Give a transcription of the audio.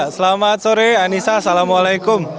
selamat sore aniesa assalamualaikum